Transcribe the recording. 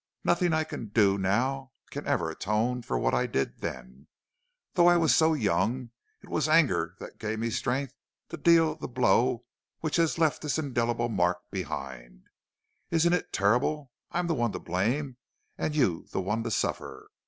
Nothing I can do now can ever atone for what I did then; though I was so young, it was anger that gave me strength to deal the blow which has left this indelible mark behind it. Isn't it terrible? I the one to blame and you the one to suffer!